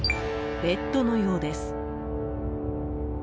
ベッドのようです。